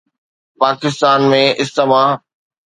Pakistan ۾ asthma